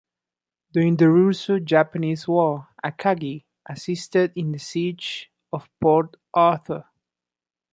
During the Russo-Japanese War, "Akagi" assisted in the Siege of Port Arthur.